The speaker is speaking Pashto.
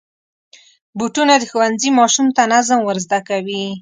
بوټونه د ښوونځي ماشوم ته نظم ور زده کوي.